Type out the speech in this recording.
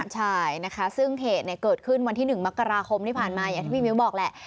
ใช่นะคะซึ่งเหตุเกิดขึ้นวันที่๑มกราคมที่ผ่านมาอย่างที่พี่มิ้วบอกแหละ